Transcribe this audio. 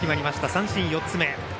三振４つ目。